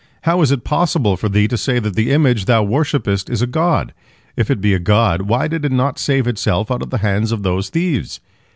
How is it possible for thee to say that the image thou worshippest is a god? If it be a god, why did it not save itself out of the hands of those thieves?